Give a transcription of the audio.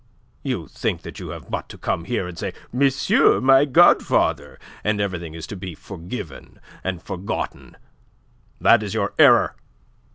You think that you have but to come here and say, 'Monsieur my godfather!' and everything is to be forgiven and forgotten. That is your error.